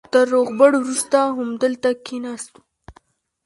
تر روغبړ وروسته همدلته کېناستو.